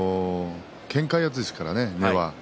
けんか四つですからね、根は。